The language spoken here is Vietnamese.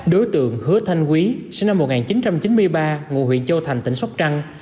đối tượng hứa thanh quý sinh năm một nghìn chín trăm chín mươi ba ngụ huyện châu thành tỉnh sóc trăng